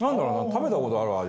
食べた事ある味。